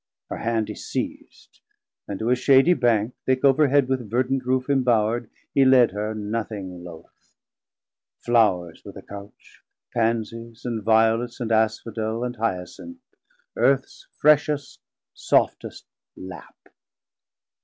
Her hand he seis'd, and to a shadie bank, Thick overhead with verdant roof imbowr'd He led her nothing loath; Flours were the Couch, Pansies, and Violets, and Asphodel, 1040 And Hyacinth, Earths freshest softest lap.